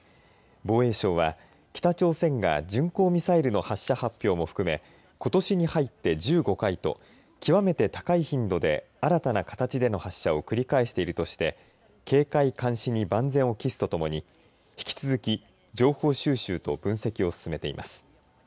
防衛省は北朝鮮が巡航ミサイルの発射の発表も含めてことしに入って１５回と極めて高い頻度で新たな形での発射を繰り返しているとして警戒監視に万全を期すとともに引き続き情報収集と分析を進めています。